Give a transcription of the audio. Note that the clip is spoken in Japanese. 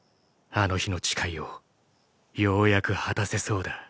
あの日の誓いをようやく果たせそうだ！